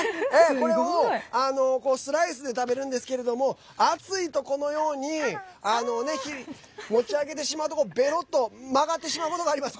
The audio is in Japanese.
これを、スライスで食べるんですけれども熱いと、このように持ち上げてしまうとべロッと曲がってしまうことがあります。